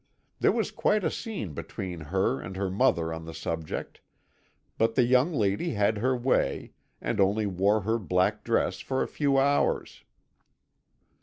There was quite a scene between her and her mother on the subject, but the young lady had her way, and only wore her black dress for a few hours.